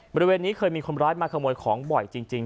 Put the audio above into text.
บริเวณนี้เคยมีคนร้ายมาขโมยของบ่อยจริง